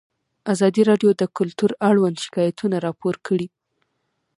ازادي راډیو د کلتور اړوند شکایتونه راپور کړي.